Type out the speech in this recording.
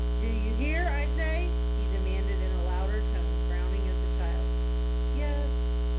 "Do you hear, I say?" he demanded, in a louder tone, frowning at the child. "Yes."